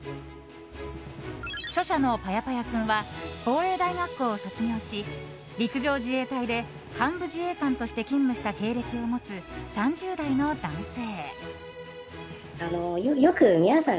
著者のぱやぱやくんは防衛大学校を卒業し陸上自衛隊で幹部自衛官として勤務した経歴を持つ３０代の男性。